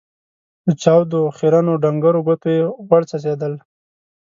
له چاودو، خيرنو ، ډنګرو ګوتو يې غوړ څڅېدل.